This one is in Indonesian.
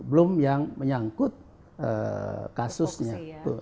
belum yang menyangkut kasusnya